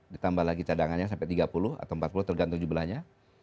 ditambah lagi cadangannya sampai tiga puluh atau empat puluh tergantung jumlahnya